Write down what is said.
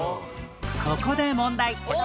ここで問題